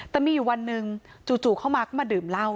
แต่มีอยู่วันหนึ่งจู่เข้ามาก็มาดื่มเหล้า